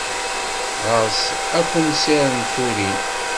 Ɣer-s akunsir n turin.